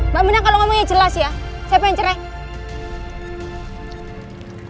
mbak mina kalau ngomongnya jelas ya siapa yang cerai